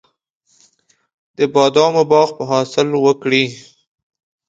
د بادامو باغ به حاصل وکړي.